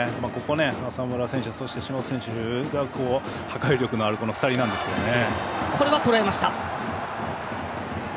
浅村選手そして、島内選手が破壊力のある２人なんですけどね。